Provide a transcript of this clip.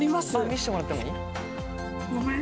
見せてもらってもいい？